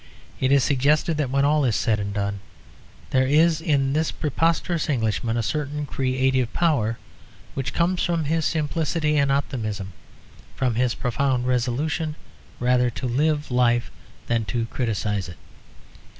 It is suggested that when all is said and done there is in this preposterous Englishman a certain creative power which comes from his simplicity and optimism, from his profound resolution rather to live life than to criticise it.